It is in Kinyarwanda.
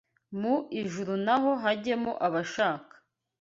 mu ijuru naho hajyemo abashaka